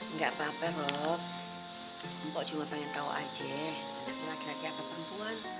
enggak apa apa lop mbak cuma pengen tahu aja anaknya laki laki apa perempuan